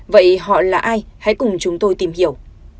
vậy họ là ai hãy cùng chúng tôi tìm hiểu